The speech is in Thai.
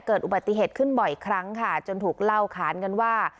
เกิดอุบัติเหตุขึ้นบ่อยครั้งค่ะจนถูกเล่าขานกันว่า